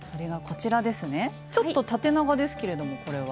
ちょっと縦長ですけれどもこれは。